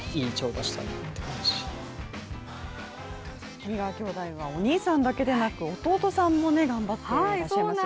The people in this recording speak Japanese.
谷川兄弟はお兄さんだけでなく弟さんも頑張っていらっしゃいますよね。